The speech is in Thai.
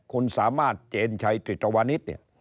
คุณสามารถเจนไชต์ธิตรวณิสเนี่ย